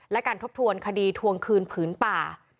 และการทบทวนคดีทวงคืนผืนป่า